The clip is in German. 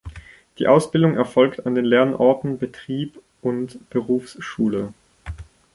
Die Ausbildung erfolgt an den Lernorten Betrieb und Berufsschule.